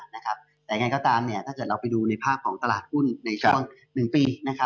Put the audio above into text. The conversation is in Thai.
แต่ยังไงก็ตามถ้าเกิดเราไปดูในภาพของตลาดหุ้นในช่วง๑ปี